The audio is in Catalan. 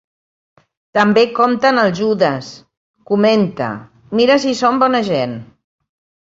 També compten el Judes, comenta, mira si són bona gent.